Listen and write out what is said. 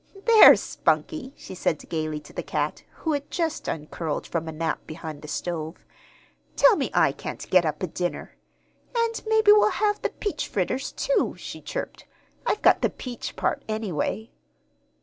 "There, Spunkie," she said gayly to the cat, who had just uncurled from a nap behind the stove. "Tell me I can't get up a dinner! And maybe we'll have the peach fritters, too," she chirped. "I've got the peach part, anyway."